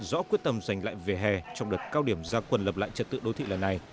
rõ quyết tâm giành lại về hè trong đợt cao điểm gia quân lập lại trật tự đô thị lần này